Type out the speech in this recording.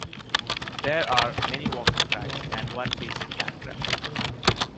There are many walking tracks and one basic campground.